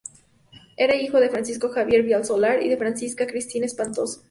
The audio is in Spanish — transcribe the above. Era hijo de Francisco Javier Vial Solar y de Francisca Cristina Espantoso.